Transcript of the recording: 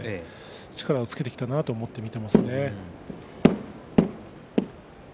力をつけてきたなと思ってます。